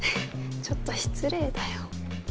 ちょっと失礼だよ。